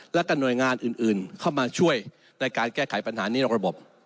แล้วก็หน่วยงานอื่นเข้ามาช่วยในการแก้ไขปัญหานี้นอกระบบ